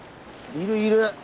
いるいる！